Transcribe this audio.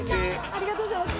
ありがとうございます。